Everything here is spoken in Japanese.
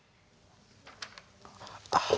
ああ。